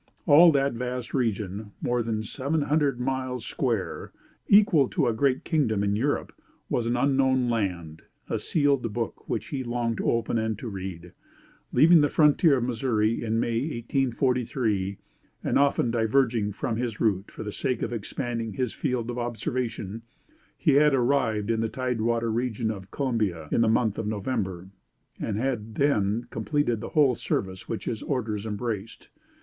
All that vast region, more than seven hundred miles square equal to a great kingdom in Europe was an unknown land a sealed book, which he longed to open, and to read. Leaving the frontier of Missouri in May, 1843, and often diverging from his route for the sake of expanding his field of observation, he had arrived in the tide water region of Columbia in the month of November; and had then completed the whole service which his orders embraced.